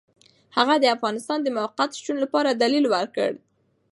هغه د افغانستان د موقت شتون لپاره دلیل ورکړ.